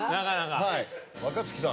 若槻さん。